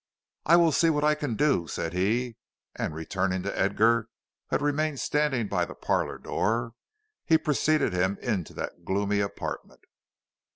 "I will see what I can do," said he, and returning to Edgar, who had remained standing by the parlor door, he preceded him into that gloomy apartment.